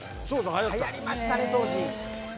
はやりましたね当時。